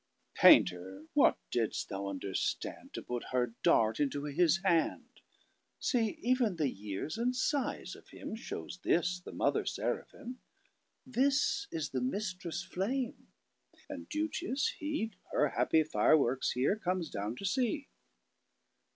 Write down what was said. Painter, what didst thou understandTo put her dart into his hand! See, even the yeares and size of himShowes this the mother Seraphim.This is the mistresse flame; and duteous heHer happy fire works, here, comes down to see.